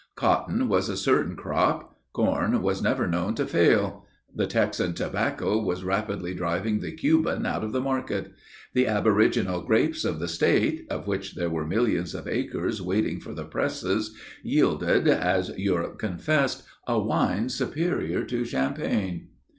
Cotton was a certain crop. Corn was never known to fail. The Texan tobacco was rapidly driving the Cuban out of the market. The aboriginal grapes of the State, of which there were millions of acres waiting for the presses, yielded, as Europe confessed, a wine superior to Champagne.